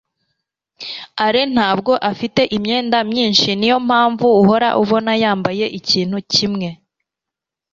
alain ntabwo afite imyenda myinshi. niyo mpamvu uhora ubona yambaye ikintu kimwe